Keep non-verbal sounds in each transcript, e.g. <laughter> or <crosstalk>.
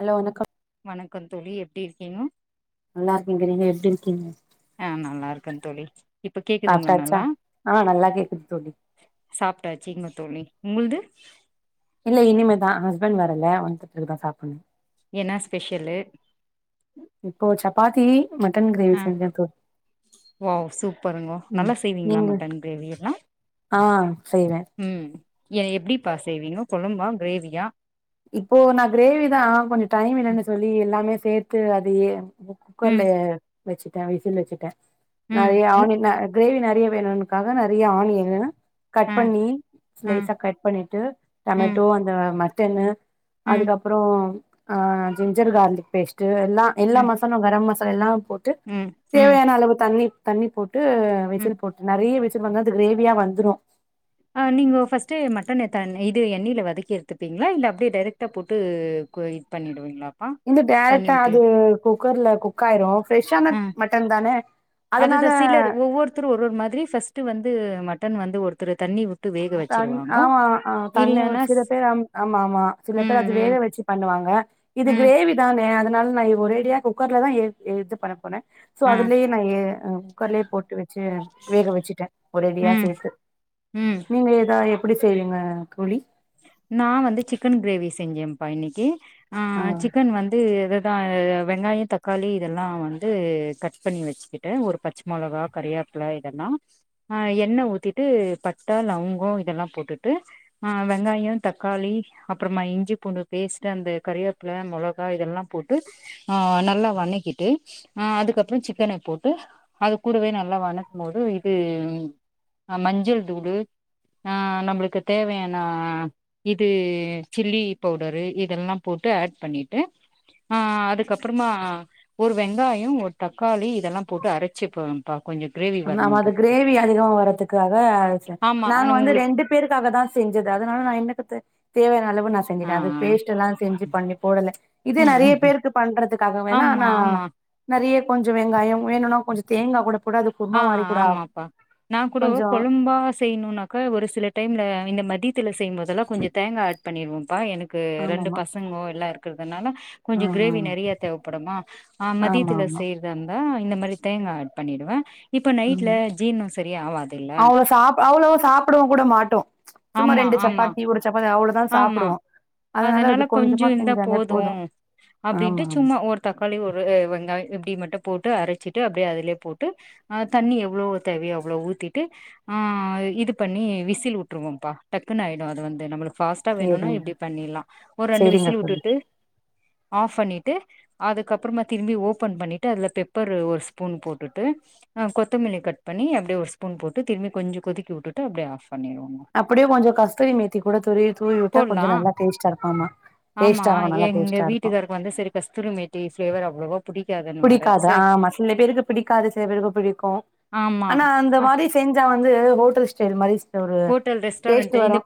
Hello வணக்கம் வணக்கோ தோழி எப்டி இருக்கீங்கோ நல்லாருக்கேங்க நீங்க எப்டி இருக்கீங்க? ஆ நல்லாருக்கே தோழி இப்ப கேக்குதுங்களா சாப்டாச்சா? நல்லா ஆ நல்லா கேக்குது தோழி சாப்டாச்சுங்க தோழி உங்கள்து இல்ல இனிமே தா ஹஸ்பண்ட் வரல வந்த பிறகுதா சாப்புன்னு என்னா ஸ்பெஷலு இப்போ சப்பாத்தி மட்டன் க்ரேவி ஆ செஞ்சே தோழி வாவ் சூப்பருங்கோ ம் நல்லா செய்வீங்ளா நீங்க மட்டன் கிரேவி எல்லா? ஆ செய்வே ம் எ எப்டிப்பா செய்வீங்கொ கொழம்பா கிரேவியா? இப்போ நா கிரேவிதா கொஞ்சொ டைம் ம் இல்லன்னு சொல்லி எல்லாமே சேத்து அதையே இப ம் குக்கர்லயே வச்சுட்டே விசில் வச்சுட்டே ம் நெறைய ம் ஆனியன ஆட் கிரேவி நெறைய வேணுனுக்காக நெறைய ஆனியன் கட் ஆ பண்ணி ஆ ஸ்லைஸா கட் பண்ணிட்டு ம் டமேட்டோ அந்த மட்டன் ம் அதுக்கப்பறோ அ ஜிஞ்சர் கார்லிக் பேஸ்ட் ட்டு எல்லா எல்லா ம் மசாலாவ் கரம் மசாலெல்லா போட்டு ம் ம் தேவையான அளவு தண்ணி தண்ணி போட்டு ம் விசில் போட்டு நெறைய விசில் வந்தா அது கிரேவியா வந்துரு அ நீங்கோ ஃபஸ்ட்டு மட்டன்ன எத்தொன்ன இது எண்ணெயில வதக்கி எடுத்துப்பீங்களா இல்ல அப்டியே டேரெக்ட்டா போட்டு கு இத் பண்ணிடுவீங்ளா இந்த டேரெக்டா அது குக்கர்ல குக் ஆயிரு ஃப்ரெஷ்ஷான ஆ மட்டன் தானே அதுதா சிலர் ஒவ்வொருத்தரு ஒரு ஒரு மாதிரி ஃபஸ்ட் வந்து மட்டன் வந்து ஒருத்தர் தண்ணி வேக தண் வச்சிருவாங்கோ ஆமா ஆ தண்ணி இல்லன்னா ஸ் சில பேர் ஆம் ஆமாமா சில ம் பேர் அது ம் வேக வச்சு பண்ணுவாங்க இது ம் கிரேவி நானே அதனால நா ஒரேடியா குக்கர்லதா இ இது பண்ண போறே சோ ஆ அதுலேயே நா எ அம் குக்கர்லே போட்டு வச்சு வேக வச்சிட்டே ஒரேடியா ம் சேத்து ம் நீங்கள் இத எப்டி செய்வீங்க தோழி நா வந்து சிக்கன் கிரேவி செஞ்சேம்ப்பா இன்னைக்கு ஆ சிக்கன் வந்து வெ ந்து ஆ வெங்காயோ தக்காளி இதெல்லா வந்து கட் பண்ணி வச்சுக்கிட்டு ஒரு பச்ச மொளகா கரியாப்புல இதல்லா ஆ எண்ணெ ஊத்திட்டு பட்ட லவங்கோ இதெல்லா போட்டுட்டு அ வெ வெங்காயோ தக்காளி அப்புறமா இஞ்சி பூண்டு பேஸ்ட் அந்த கரிவேப்புல மொளகா இதெல்லா போட்டு ஆ நல்லா வணக்கிட்டு அ அதுக்கப்புறோ சிக்கன போட்டு அது கூடவே நல்லா வணக்கும் போது இது ஆ மஞ்சள் தூடு ஆ நம்மளுக்கு தேவையான அ இது சில்லி பவுடரு இதெல்லா போட்டு ஆட் பண்ணிட்டு ஆ அதுக்கப்புறமா ஒரு வெங்காயோ ஒரு தக்காளி இதெல்லா போட்டு அரச்சிப்போ அ கொஞ்சொ கிரேவி ஆமா அது வரணுன்றதுக்கு கிரேவி அதிகமா வர்றதுக்காக அரச்சே ஆமா நாங்க ஆனா வந்து உங்களுக்கு ரெண்டு பேருக்காக தா செஞ்சது அதனால நா எனக்கு தே தேவையான அளவு ப்போ நா ஆ செஞ்சிட்டே அது ஆ பேஸ்ட் எல்லா செஞ்சு பண்ணி போடல இது நெறைய பேருக்கு பண்றதுக்காக வேணா ஆமா, ஆனா ஆமா. நெறைய கொஞ்சொ வெங்காயம் வேணுனா கொஞ்சொ தேங்கா கூட கூட அது ஆ குருமா மாரி கூட ஆகு ஆமாப்பா நா கூடோ கொஞ்சோ கொழும்பா செய்யணுனாக்கா ஒரு சில டைம்ல இந்த மதியத்துல செய்யும்போதெல்லா கொஞ்சொ தேங்கா ஆட் பண்ணிர்வம்ப்பா எனக் கு ரெண்டு ஆமாமா பசங்கோ எல்லா இருக்கறதுனால ஆ கொஞ்சொ ஆ கிரேவி நெறைய தேவப்படுமா ஆ ஆமா மதியத்துல ஆமா செய்யறதாந்த இந்த மாரி தேங்கா ஆட் பண்ணிடுவ இப்ப நைட்ல ஆமா ஜீர்னம் சரியா ஆவாது இல்ல அவ்ளோ சாப்பிடவும் கூட மாட்டோம் சும்மா ஆமா, ரெண்டு ஆமா, சப்பாத்தி ஒரு சப்பாத்தி அவ்ளோ ஆமா அதனால கொஞ்சொ இருந்தா செஞ்சாலே போது போதும் அப்டின்ட்டு ஆமா ஆமா சும்மா ஒருத் தக்காளி ஒரு வெங்காயொ இப்டி மட்டு போட்டு அரச்சிட்டு அப்டியே அதுலயே போட்டு ஆ தண்ணி எவ்ளோ தேவையோ அவ்ளோ ஊத்திட்டு ஆ இது பண்ணி விசில் வுட்டுருவோம்ப்பா டக்குன்னு ஆயிடு அது வந்து நம்மளுக் ஃபாஸ்ட்டா வேணுன்னா சேரிங்க இப்டி பண்ணிட்லா ஒரு ரெண்டு சேரிங்க விசில் தோழி வுட்டுட்டு ஆஃப் பண்ணிட்டு அதுக்கப்புறமா திரும்பி ஓப்பன் பண்ணிட்டு அதுல பெப்பரு ஒரு ஸ்பூன் போட்டுட்டு ஆ கொத்தமல்லி கட் பண்ணி அப்டி ஒரு ஸ்பூன் போட்டு திரும்பி கொஞ்சொ கொதிக்க வுட்டுட்டு அப்டியே ஆஃப் பண்ணிருவோம்மா அப்டியே கொஞ்சொ கஸ்தூரி மேத் த்தி கூட தூறுவி தூவி விட்டா போட்லா கொஞ்சோ நல்லா டேஸ்டா இருக்கும் ஆமா ஆமா டேஸ்ட்டா ஆ நல்லா எங்க டேஸ்ட்டா இருக்கும் வீட்டுக்காருக்கு வந்து சரி கஸ்தூரி மேத்தி ஃப்ளேவர் அவ்ளோவா புடிக்காதுன்னுவாரு புடிக்காது சரி ஆமா சில பேருக்கு பிடிக்காது சில பேருக்கு பிடிக்கும் ஆமா ஆனா அந்த ஹ மாரி செஞ்சா வந்து ஹோட்டல் ஸ்டைல் மாரி ஒரு ஹோட்டல் டேஸ்ட் ரெஸ்டாரண்ட்டு இந்த வரு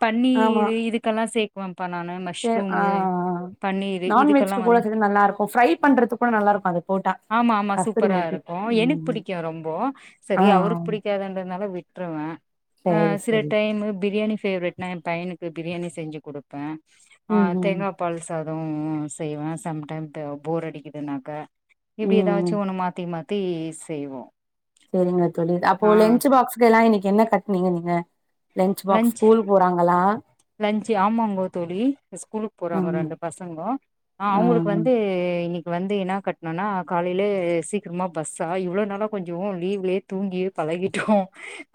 ஆமா பன்னீரு இதுக்கெல்லாம் சேர்க்குவேன்ப்பா நானு சே ஆ மஷ்ரூமு பன்னீரு இதுக்கெல்லா நான்வெஜ்க்கு கூட வந்து செஞ்சா நல்லா இருக்கும் ஃப்ரை பண்றதுக்கு கூட நல்லா இருக்கும் அது போட்டா ஆமா ஆமா கஸ்தூரி சூப்பரா மேத்தி இருக்கும் எனக்கு ம் புடிக்கும் ரொம்போ ஆ செரி அவருக்கு புடிக்காதுன்றதுனால விட்ருவேன் ஆ சேரி சில சேரி டைம் பிரியாணி ஃபேவ்ரட் நா என் பையனுக்கு பிரியாணி செஞ்சு குடுப்பேன் ஆ ம் ம் தேங்காப் பால் சாதோம் செய்வேன் சம் டைம் போர் அடிக்குதுனாக்கா இப்டி ம் ம் ஏதாச்சும் ஒன்னு மாத்தி மாத்தி செய்வோம் சேரிங்க தோழி அப்போ லன்ச் பாக்ஸ்க்கு எல்லாம் இன்னிக்கு என்ன கட்டுனீங்க நீங்க லன்ச் பாக்ஸ் ஸ்கூல் போறாங்களா லன்ச்சு ஆமாங்கோ தோழி ஸ்கூலுக்கு போறாங்க ம் ரெண்டு பசங்கோ ஆ அவுங்களுக்கு வந்து இன்னக் வந்து என்ன கட்டணோன்னா காலையில சீக்கிரமா பஸ்ஸா இவ்ளோ நாளா கொஞ்சம் லீவ்வு தூங்கியே பழகிட்டோம்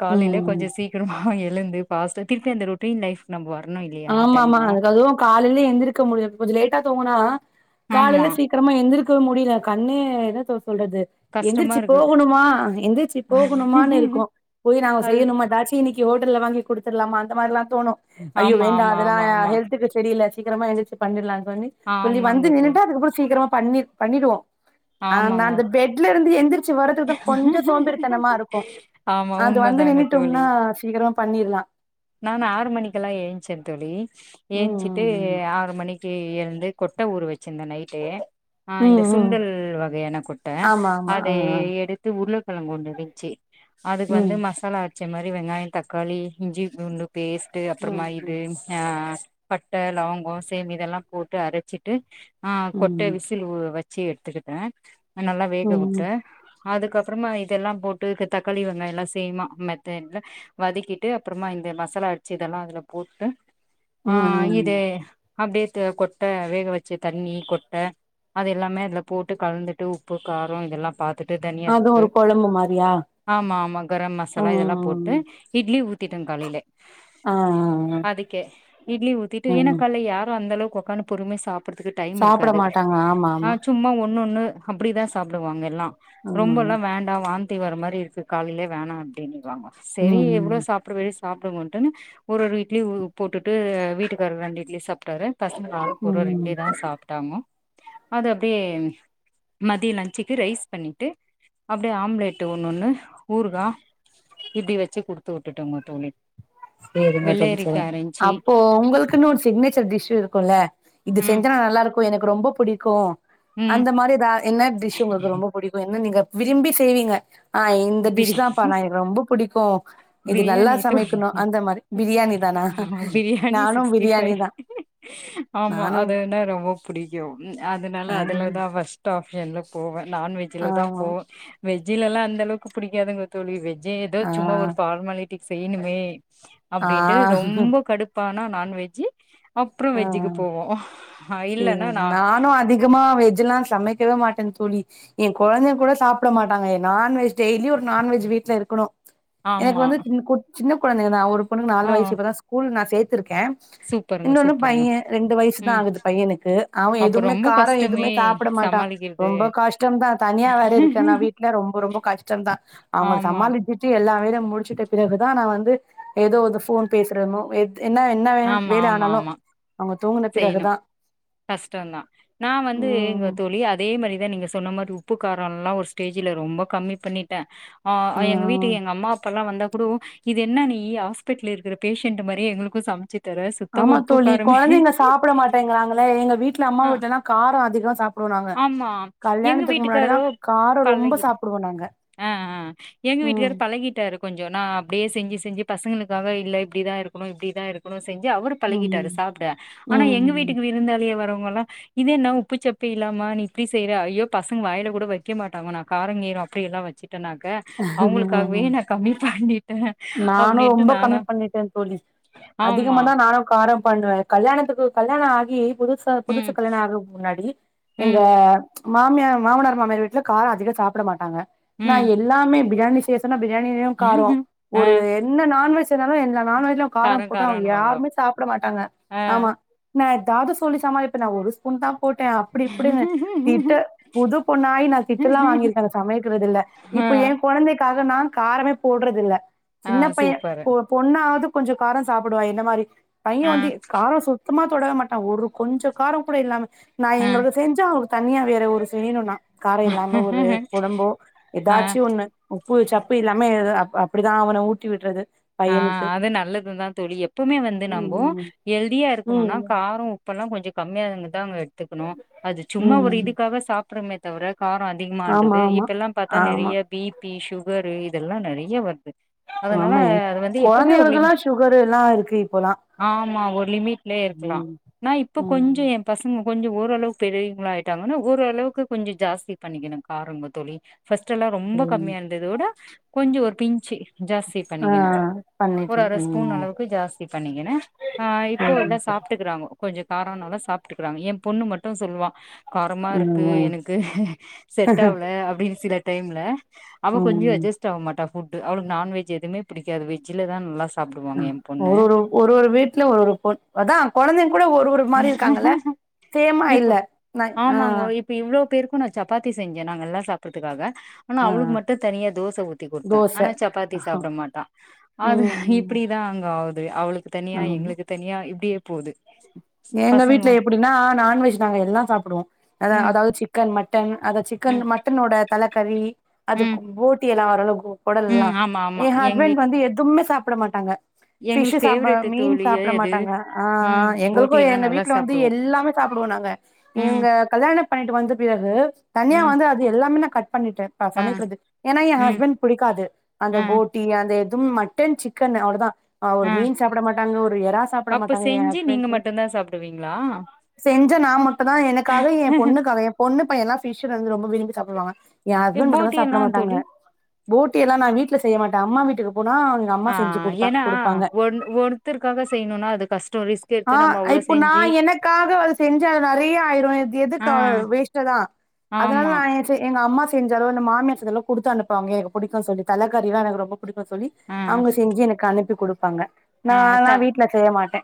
காலையில ம் கொஞ்சோம் சீக்கிரமா எழுந்து ஃபாஸ்ட்டா திருப்பி அந்த ரொட்டீன் லைஃப் நம்ப வரணும் இல்லையா தென்மோ காலையிலே எந்திரிருக்க முடியும் கொஞ்சோம் லேட்டா தூங்குனா ஆமா காலையில சீக் க்கிரமா எந்திருக்கவே முடில கண்ணே என்னத்த சொல்றது கஷ்டமா எந்திரிச்சு இருக்கு போகணுமா எந்திரிச்சு போகணுமான்னு இருக்கும் போய் நாங்க அது செய்யணுமா எதாச்சி இன்னிக்கி ஹோட்டல்ல வாங்கித் குடுத்துடலாமா அந்த மார்ல்லாம் தோணும் ஐயோ ஆமா வேண்டா ஆமா அதெல்லாம் ஆமா ஆமா ஹெல்த்துக்கு செரி இல்ல சீக்கிரமா எந்திரச்சு பண்ணிடலாம் சொல்லி சொல்லி வந்து ஆமாங்க தோ நின்னுட்டு அதுக்கப்பறம் சீக்கிரமா பண்ணி பண்ணிடுவோம் ஆனா ஆமாங்கோ அந்த பெட்ல இருந்து எந்திரிக் ச்சி வர்றதுக்கு தான் கொஞ்சோம் சோம்பறித்தனமா இருக்கும் ஆமா அது வந்து உண்மதாங்க தோழி நின்னுட்டோம்னா சீக்கிரமா பண்ணிரலாம் நானு ஆறு மணிக்கெல்லாம் ஏன்ச்சேன் தோழி ம் ஏந்த்ச்சிட்டு ம் ஆறு மணிக் கு எழ்ந்து கொட்ட ஊற வச்சிருந்தேன் நைட்டு அ ம் இந்த ம் ம். சுண்டல் வகையான கொட்ட ஆமா ஆமா ஆ அதே ஆ எடுத்து உருளக்கெழங்கு ஒன்னு இருந்துச்சு அதுக்கு ம் வந்து மசாலா ச்ச மாரி வெங்காயம் தக்காளி இஞ்சி பூண்டு பேஸ்ட்டு ம் அப்பறமா ம் இது ஆ பட்ட லவங்கம் சேம் இதெல்லாம் போட்டு அரச்சிட்டு ஆ கொட்ட ம் விசி ல் வச்சு எடுத்துடுவேன் நல்லா வேக வுட்டு ம் அதுக்கப்பறமா இதெல்லாம் போட்டு தக்காளி வெங்காயோ எல்லாம் சேமா மெத்தட்ல வதக்கிட்டு அப்பறமா இந்த மசாலா இடிச்சு இதெல்லாம் அதுல போட்டு ஆ ம் ம் இது அப்டியே த கொட்ட வேக வச்ச தண்ணி கொட்ட அது எல்லாமே அதுல போட்டு கலந்துட்டு உப்பு காரொ இதெல்லா பாத் டடு தனியா அது தூளு ஒரு கொழம்பு மாரியா ஆமா ஆமா கரம் மசாலா இதெல்லா போட்டு ம் இட்லி ஊத் திட்டிடே காலையில ஆ ஆ அதுக்கே இட்லி ஊத்திட்டு ஆ ஏன்னா ம் கால்ல யாரு அந்த அளவுக்கு ஒக்காந்துனு பொறுமையா சாப் புட்றதுக்கு டைம் சாப்ட இருக்காது மாட்டாங்க ஆமா ஆ ஆமா சும் சும்மா ஒன்னொனு அப்டிதா சாப்டுவாங்க எல்லா ஆமாங்க ரொம்பெல்லா வேண்டா வாந்தி ந்திவார மாரி இருக்கு காலையிலே வேணா அப்டின்னிறுவாங்க சேரி ம் எவ்ளோ ம் சாப்ட்டு அப்ற வெளிய சாப்டமாட்டேன்னு ஒரு ஒரு இட்லி போட்டுட்டு வீட்டுக்காரு ரெண்டு இட்லி சாப்டாரு பசங்க ஆளுக்கு ஒரு ஒரு ம் இட்லி தா சாப்ட்டாங்கோ அது அப்டியே மதிய லன்ச்சுக்கு ரைஸ் பண்ணி ட்டு அப்டியே ஆம்லேட்டு ஒண்ணு ஒண்ணு ஊர்கா இப்டி வச்சு குடுத்து விட்டுட்டோங்க தோழி சேரிங்க தோழி சேரி வெள்ளரிக்கா இருந்ச்சு அப்போ உங்களுக்குன்னு ஒரு சிக்னேச்சர் டிஷ் இருக்கும்ல இது ம் செஞ்சா நல்லா இருக்கு எனக்கு ரொம்ப புடிக்கு ம் அந்த மாரி எதா என்ன டிஷ் உங்களுக்கு ரொம்ப புடிக்கு என்ன நீங்க விரும்பி செய்வீங்க ஆ இந்த பிரி டிஷ் தாம்பா நா எனக்கு ரொம்ப புடிக்கு இது நல்லா பிரியாணி சமைக் தோழி க்குனு அந்த மாரி பிரியாணி தானா ஆமா பிரியாணி நானு சிக்ஸ்டி பிரியாணி ஃபைவ் தா ஆமா நானு அதுனா ரொம்ப புடிக்கு அதுனால ஆ அதுலதா ஃபஸ்ட் ட்டா ஆஃப் எண்டுல போவே எண்டுல போவே நான்வெஜிலதா ஆமா போவே வெஜிலல்லா அந்த அளவுக்கு புடிக்காதுங்க வெஜ் ஏதோ ஆ சும்மா ஒரு ஃபார்மாலிட்டி செய்யணுமே ஆ அப்டின்ட்டு ரொம்போ கடுப்பு இப்ப ஆனா நான்வெஜி அப்றோ ஆ வெஜிக்கு போவோ ஆ இல்லன்னா நா அதிகமா வெஜில்லா சமைக்கவே மாட்டேன் தோழி ஏ கொழந்த கூட சாப்ட மாட்டாங்க எ நான்வெஜ் டெய்லி ஒரு நான்வெஜ் வீட்ல இருக்கணு எனக்கு ஆமா வந்து கு சின்ன கொழந்தைங்க தா ஒரு பொண்ணுக்கு நாலு ஆ வயசு இப்பதா ஸ்கூல் நா சேத்திருக்கே சூப்பருங்க இன்னொன்னு சூப்பருங்க பைய ரெண்டு வயசுதா ம் ஆகுது பையனுக்கு அவ அப்ப எதுவுமே ரொம்ப காரமே எதுவுமே கஷ்டமே சாப்ட மாட்டா சமாளிக்கிறது ரொம்ப கஷ்டோ தா தனியா வேற இருக்கேனா வீட்ல ரொம்ப ரொம்ப கஷ்டோ தா அவங்கல ஆமா சமாளிச்சி சி எல்லா வேலையு முடிச்சிட்ட பிறகுதா நா வந்து ஏதோ ஃபோன் பேசுறமோ என்னா எக் ஆமா ஆமா ஆமா அவுங்க தூங்குன பிறகுதா கஷ்டோந்தா நா வந்துங்க ம் தோழி அது அதே மாரிதா நீங்க சொன்ன மாரி உப்பு காரம்லா ஒரு ஸ்டேஜ்ல ரொம்ப கம்மி பண்ணிட்டே ஆ எங்க வீட்டுக்கு எங்க அம்மா அப்பாலா வந்தா கூடோ இது என்ன நீ ஹாஸ்பிடல இருக்குற பேஷண்ட் மாரியே எங்களுக்கு சமைச்சி ஆமா தோழி கொழந்தைங்க சாப்ட மாட்டேங்குராங்களே எங்க வீட்ல அம்மா ஆ, வீட்ல எல்லா காரொ அதிக சாப் சாப்டுவோ நாங்க ஆமா எங்க கல்யாணத்துக்கு முன்னாடிதா வீட்டுக்காரோ காரொ ரொம்ப பழகி சாப்புடுவோ நாங்க ஆ ஆ எங்க ம் வீட்டுக்காரு பழகிட்டாரு கொஞ்சோ நா அப்டியே செஞ்சி செஞ்சி பசங்களுக்காக இல்ல இப்டிதா இருக்கனு இப்டி தா இருக்கனு செஞ்சி அவரு பழகிட்டாரு ம் சாப்ட ஆனா எங்க ம் வீட்டுக்கு விருந்தாளியா வரவங்கல்லா இது என்ன உப்புச்சப்பு ப்பு இல்லாமா நீ இப்டி செய்ற ஐயோ பசங்க வாயில கூட வெக்க மாட்டாங்க நா காரங் கீரோ அப்டி எல்லா வெச்சிட்டேனாக்கா அவுங்களுக்காகவே ம் நா கம்மி பண்ணிட் நானு ரொம்ப கம்மி பண்ணிட்டே தோழி ஆமா அதிகமா தா நானு காரம் பண்ணுவே கல்யாணத்துக்கு கல்யாணோ ஆகி புதுசா புதுசு ம் கல்யாணோ ஆகுறதுக்கு முன்னாடி எங்க ம் மாமியார் மாமனார் மாமியார் வீட்ல காரொ அதிகமா சாப்ட மாட்டாங்க நா ம் எல்லாமே பிரியாணி செய்ய எடுத்தோனா பிரியாணிலையு காரோ ஆ ஒரு என்ன நான்வெஜ் இருந்தாலு என்ன நான்வெஜ்லையு காரோ காரம் போட்டா அவுங்க காரோன்னுவாங்க யாருமே சாப்ட மாட்டாங்க ஆமா ஆ நா எதாவது சொல்லி சமாலிப்பேனே ஒரு ஸ்பூன் தா போட்ட அப்டி இப்டின்னு திட்டு புது பொண்ணாயி நா திட்டுல்லா வாங்கியிருக்கே அந்த சமைக்கிறதுல ஆ இப்போ ஏ கொழந்தைக்காக நா காரமே போட்றது இல்ல ஆ சின்ன பைய சூப்பரு பொ பொண்ணாவது கொஞ்சோ காரொ சாப்டுவா என்ன மாரி பைய ஆ வந்து காரொ சுத்தமா தொடவே மாட்டா ஒரு கொஞ்சோ காரொ கூட இல்லாம நா ஆ எங்களுது செஞ்சா அவங் தன்னியா வேற ஒரு செய்யணும்ன்னா கார இல்லாம ஒரு கொழம்போ ஆ ஏதாச்சு ஒண்ணு உப்பு சப்பு இல்லாமே <unintelligible> அப்டிதா அவன ஊட்டி விட்றது ஆ பையனுக்கு அது நல்லது தா தோழி எப்வுமே வந்து நம்ம ம் ஹெல்தியா இருக்கணுனா ம் காரோ இப்பெல்லா கொஞ்ச கம்மியாங்கதான்ங்க எடுத்துக்கணு அது சும்மா ஒரு ம் இதுக்காக சாப்டறமே தவிர கார ஆமா அதிகமான்றது ஆமா இப்பெல்லா பாத்தா ஆமா நெறைய பி பி சுகரு இதெல்லா நெறைய வருது அதனால அது வந்து எப்பவுமே ஒரு லிம் கொழந்தைகளுக்குல்லா சுகர் எல்லா இருக்கு இப்போல ஆமா ஒரு லிமிட்லயே இருக்கலா நா இப்ப கொஞ்சோ ம் எயே பசங்க கொஞ்சோ ஓரளவுக்கு பெரியவங்களா ஆயிட்டாங்கன்னா ஓரளவுக்கு கொஞ்சோ ஜாஸ்தி பண்ணிக்கனு காரங்க தோழி ஃபர்ஸ்ட் எல்லா ரொம்ப ம் கம்மியா இருந்தது விட கொஞ்சோ ஒரு பின்சி ஜாஸ்தி ஆ பண்ணிக்கின ஒரு பண்ணிட்டே அரை ஸ்பூன் ம் அளவுக்கு ஜாஸ்தி பண்ணிக்கினே ஆ இப்போ எல்லா சாப்ட்டுக்கிறாங்கோ கொஞ்சோ காரோனாலோ சாப்ட்டுக்கிறாங்க எயே பொண்ணு மட்டு சொல்லுவா கரமா இருக்கு ம் ம் எனக்கு செட் ஆவுல அப்டின்னு சில டைம்ல அவ கொஞ்ச ம் அஜஸ்ட் ஆக மாட்ட ஃபுட்டு அவளுக்கு நான்வெஜ் எதுவும புடிக்கது வெஜ்ஜல தா நல்லா சாப் அ ஒரு ஒரு ஒரு ஒரு வீட்ல ஒரு ஒரு பெண் அதான் கொழந்தைங் கூட ஒரு ஒரு மாரி இருக்காங்கல்ல சேமா இப்போ இல்ல நா ஆ ஆமாங்கோ இப்ப இவ்ளோ பேருக்கு நான் சப்பாத்தி செஞ்சே நாங்க எல்லா சாப்பறதுக்காக ஆனா ஆ அவளுக்கு மட்டு தனியா தோச ஊத்தி குடுத்த தோச ஆனா சப்பாத்தி சாப்ட மாட்டா அது ம் ம் இப்டி தா அங்க ஆகுது அவளுக்கு தனியா ஆமா எங்களுக்கு தனியா இப்டியே போது ஏங்க பசங்க வீட்டு்ல எப்டின்னா நான்வெஜ் நாங்க எல்லா சாப்டுவோ அத ம் அதாவது சிக்கன் மட்டன் அத சிக்கன் ம் மட்டனோட தலக்கறி ம் அதுக்கு போட்டி எல்லா <unintelligible> உடல் எல்லா ம் ஆமா ஆமா எ எங்க ஹஸ்பண்ட் வீட் வந்து எதும்மே சாப்ட மாட்டாங்க பிஷ்சு எங்களுக்கு சாப்ப ஃபேவரெட்டு மீன் தோழி சாப்ட அது மாட்டாங்க ஆ ஆ ம் எங்களு போட்டி போ எல்லா எங்க நல்லா வீட்ல வந்து சாப்டுவோ எல்லாமே சாப்டுவோ நாங்க ம் இவங்க கல்யாண பண்ணிட்டு வந்த பிறகு தனியா ம் வந்து அது எல்லாமே நா கட் பண்ணிட்ட நா ஆ சமக்கிறது ஏன்னா என் ம் ஹஸ்பண்ட் பிடிக்காது அந்த ஆ போட் ட்டி அந்த எதும் மட்டன் சிக்கன் அவ்ளதா ஆ ஒரு மீன் சாப்ட மாட்டாங்க ஒரு எற சாப்ட மாட்டாங்க என் ஹஸ்பண்ட்டு <unintelligible> தா சாப்டுவிங்களா ஆ செஞ்ச நா மட்டுதா எனக்காக என் பொண்ணுக்காக என் பொண்ணு பயல்லா ஃபிஷ் வந்து ரொம்ப விரும்பி சாப்டுவாங்க என் ஹஸ்பண்ட் மட்டுதா போட்டி சாப்ட எல்லா மாட்டாங்க தோழி போட்டி எல்லா நா வீட்ல செய்ய மாட்ட அம்மா வீட்டுக்கு போனா ஆ அம்மா செஞ்சு குடுத்தா ஏன்னா குடுப்பாங்க ஒன் ஒத்தருக்காக செய்யணுனா அது கஷ்டோ ரீஸ் ஆ இப்போ நா எனக்காக அது செஞ்ச அது நெறைய ஆயிரு இது ஆ எதுக்கு வேஸ்ட்ட தா அதுனால ஆமா நா ஏ எங்க அம்மா செஞ்சாலு அந்த மாமியார் குடுத்து அனுப்பாங்க எனக்கு புடிக்கு சொல்லி தலைக்கறின்னா எனக்கு ரொம்ப புடிக்கு சொல்லி ஆ அவங்க செஞ்சு எனக்கு அனுப்பி கொடுப்பாங்க ஆ த நா வீட்ல செய்ய மாட்ட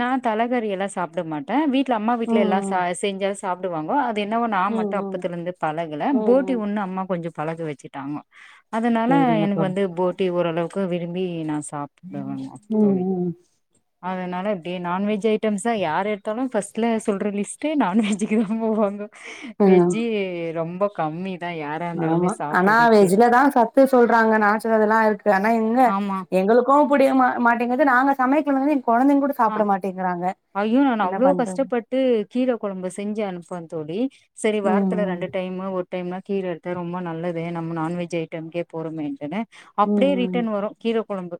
நா தலைக்கறியல்லா சாப்ட மாட்ட வீட்ல அம்மா வீட்ல எல்லா ச ம் செஞ்ச சாப்டுவாங்கோ அது என்னவோ நா ம் மட்டு ம் அப்பத்துலேருந்து பழகல ம் ம் போட்டி ம் ஒன்னு அம்மா கொஞ்ச பழக வச்சுட்டாங்கோ அதனால சரிங்க எனக்கு தோழி வந்து போட்டி ஓரளவுக்கு விரும்பி நா சாப்டுவேங்க தோழி ம் ம் <inaudible> அதனால எப்டி நான்வெஜ் ஐட்டம்ஸ்ஸ யார் எடுத்தாலு ஃபர்ஸ்ட்ல சொல்ற லி்ட்ஸ்டே நாவஜ்ஜுக்கு தா போவாங்க ம் வெஜ்ஜி ரொம்ப கம்மி தா யாரா இருந்தாலுமே ஆமா ஆனா சாப்பட்றது இப்ப வெஜ்லிதா சத்து சொல்றாங்க <unintelligible> அதெல்லாருக்கு ஆனா எங்க ஆமா எங்களுக்கு கோ புடிய மாட்டேங்கது நாங்க சமைையக்கல வந்து எங்க கொழந்தைங்க கூட ஆ சாப்ட மாட்டேங்கிறாங்க ஐயோ நா என்ன அவ்ளோ பண்றது கஷ்டப்பட்டு கீரகொழம்பு செஞ்சு அனுப்புவ தோழி சரி ம் வாரத்துல ம் ரெண்டு டைம் ஒரு டைம்ல கீர எடுத்த ரொம்ப நல்லதே நம்ம நான்வெஜ் ஐட்டம்கே போறமேன்ட்டு ம் அப்டியே ம் ரிட்டன் வரு கீர கொழம்பு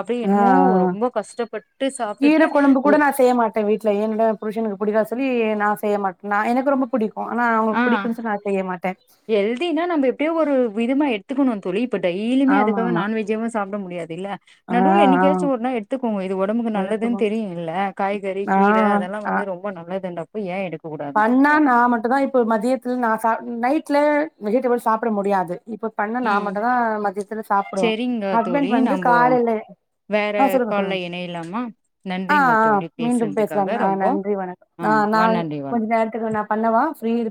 அப்டியே ஆ என்னமோ ஆ ரொம்ப கஷ்டப்பட்டு கீர சாப்ட்டுட்டு கொழம்பு ஒ கூட நா செய்ய மாட்ட வீட்ல என்டோட புருஷனுக்கு புடிக்கா சொல்லி நா செய்ய மாட்டே நா எனக்கு ரொம்ப பிடிக்கு ஆனா அவுங்களுக்கு ஆ பிடிக்குன் நா செய்ய மாட்டே ஹெல்தினா நம்ம எப்டியோ ஒரு விதமா எடுத்துக்கனு தோழி இப்ப டெய்லியுமே ஆமா அதுக்காக ஆமா நான்வெஜ்ஜேவு சாப்டமுடியாதுல்ல ஆ நடுவுல ஆ என்னைக்காச்சு ஒருனா எடுத்துக்கோங்க இது ஒடம்புக்கு நல்லதுன் எடுத்துக்கு தெரியு இல்ல காய்கறி ஆ கீர அதெல்லா ஆ வந்து ரொம்ப ம்ப நல்லதுண்டப்ப ஏன் எடுக் பண்ணா நா மட்டுதா இப்ப மதியத்துல நா சா நைட்ல வெஜிடபிள் சாப்ட முடியாது இப்ப பண்ணா நா மட்டுதா மதியத்துல சாப்பிடுவோ செரிங்க தோழி ஹஸ்பண்ட் வந்து நம்போ காலேல வேற கால்ல இணையலாமா ஆ நன்றிங்க ஆ தோழி மீண்டும் பேசலாம் பேசுன்துக்காக ஆ ரொம்போ நன்றி வணக்கம் ஆ நா வானாண்டி வா கொஞ்ச நேரத்துக்கு நா பண்ணவா ஃப்ரீ இருக்